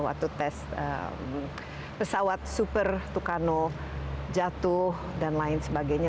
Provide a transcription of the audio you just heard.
waktu tes pesawat super tucano jatuh dan lain sebagainya